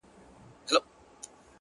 • مخ يې ونيوى پر كور ما ته يې شا سوه,